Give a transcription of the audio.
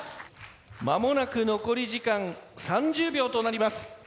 間もなく残り時間３０秒となります。